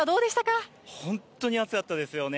本当に暑かったですよね。